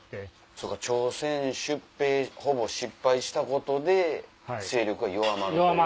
そうか朝鮮出兵ほぼ失敗したことで勢力が弱まるというか。